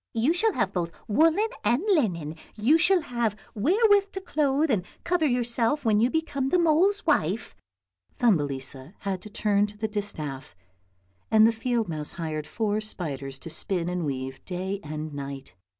" You shall have both woollen and linen, you shall have wherewith to clothe and cover yourself when you become the mole's wife." Thumbelisa had to turn the distaff and the field mouse hired four spiders to spin and weave day and night.